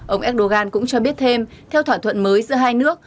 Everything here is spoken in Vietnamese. ông erdogan cũng cho biết thêm theo thỏa thuận mới giữa hai nước